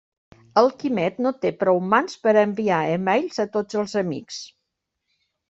El Quimet no té prou mans per a enviar e-mails a tots els amics.